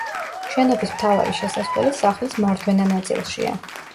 შენობის მთავარი შესასვლელი სახლის მარჯვენა ნაწილშია.